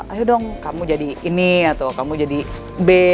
ayo dong kamu jadi ini atau kamu jadi b